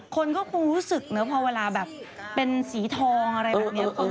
คนก็คงรู้สึกเนอะพอเวลาแบบเป็นสีทองอะไรแบบนี้